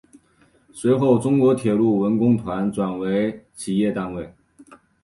随后中国铁路文工团转为企业单位。